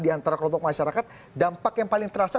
di antara kelompok masyarakat dampak yang paling terasa